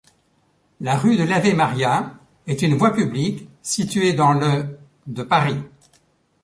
La rue de l'Ave-Maria est une voie publique située dans le de Paris.